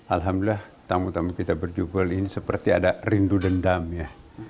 alhamdulillah tamu tamu kita berjubel ini seperti ada rindu dendam ya